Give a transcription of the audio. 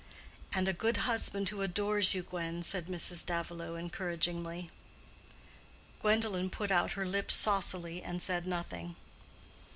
"And a good husband who adores you, Gwen," said Mrs. Davilow, encouragingly. Gwendolen put out her lips saucily and said nothing.